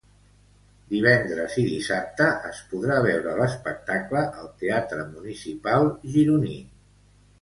Divendres i dissabte es podrà veure l'espectacle al Teatre Municipal gironí.